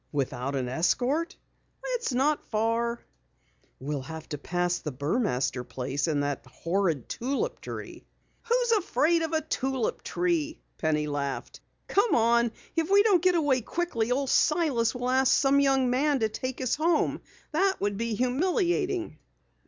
"Without an escort?" "It's not far." "We'll have to pass the Burmaster place and that horrid tulip tree." "Who's afraid of a tulip tree?" Penny laughed. "Come on, if we don't get away quickly Old Silas will ask some young man to take us home. That would be humiliating."